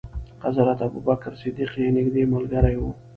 حضرت ابو بکر صدیق یې نېږدې ملګری و.